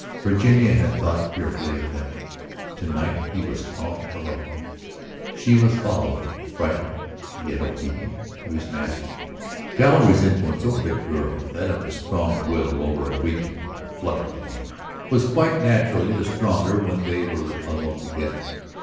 Virginia had thought fearfully of them. To night he was calling eloquently, she was following, frightened and yet obedient to his mastery. Galloway's influence over the girl, that of a strong will over a weak and fluttering one, was quite naturally the stronger when they were alone together.